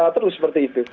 terus seperti itu